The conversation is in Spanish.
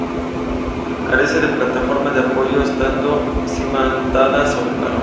Carece de plataforma de apoyo, estando cimentada sobre la roca.